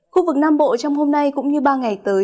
khu vực nam bộ trong hôm nay cũng như ba ngày tới